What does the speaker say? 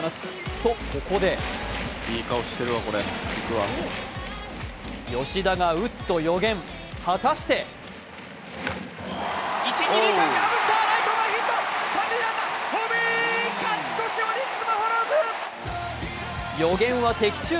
と、ここで吉田が打つと予言、果たしててて予言は的中！